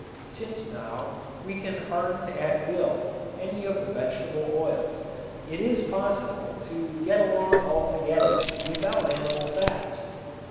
Since now we can harden at will any of the vegetable oils it is possible to get along altogether without animal fats.